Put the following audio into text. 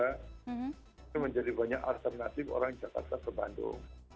itu menjadi banyak alternatif orang jakarta ke bandung